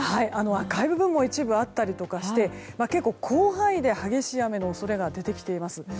赤い部分も一部あったりして結構、広範囲で激しい雨の恐れが出てきています。